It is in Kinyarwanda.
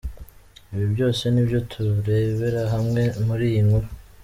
Ibi byose, nibyo turebera hamwe muri iyi nkuru.